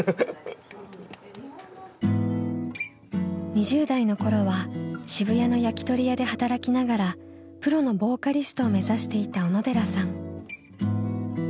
２０代の頃は渋谷の焼き鳥屋で働きながらプロのボーカリストを目指していた小野寺さん。